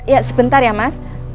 ya sebentar ya mas